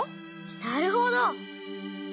なるほど！